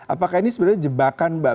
apakah ini sebenarnya jebakan mbak